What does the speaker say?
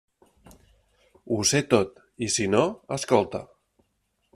Ho sé tot; i si no, escolta.